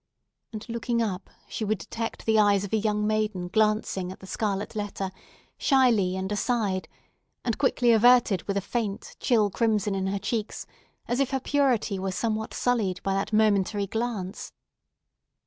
and, looking up, she would detect the eyes of a young maiden glancing at the scarlet letter, shyly and aside, and quickly averted, with a faint, chill crimson in her cheeks as if her purity were somewhat sullied by that momentary glance.